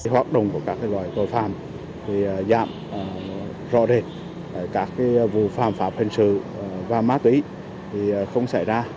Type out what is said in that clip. hoạt động của các loại tội phạm giảm rõ rệt các vụ phạm pháp hình sự và ma túy không xảy ra